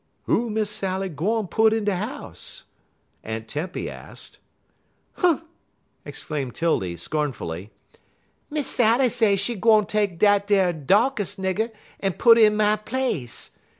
"Who Miss Sally gwine put in de house?" Aunt Tempy asked. "Humph!" exclaimed 'Tildy, scornfully, "Miss Sally say she gwine take dat ar Darkess nigger en put 'er in my place.